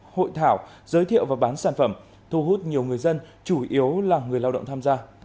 hội thảo giới thiệu và bán sản phẩm thu hút nhiều người dân chủ yếu là người lao động tham gia